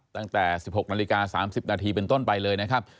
ตั้งแต่๑๖นาฬิกา๓๐นาทีเป็นต้นไปเลยนะครับ